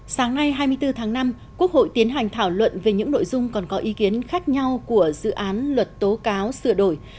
sáng nay hai mươi bốn tháng năm quốc hội tiến hành thảo luận về những nội dung còn có ý kiến khác nhau của dự án luật tố cáo sửa đổi